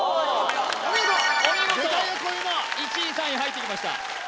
お見事お見事１位３位入ってきました